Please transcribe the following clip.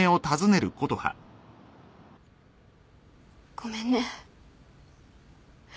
ごめんね。